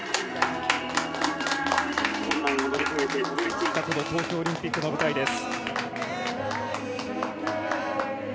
困難を乗り越えてたどり着いた東京オリンピックの舞台です。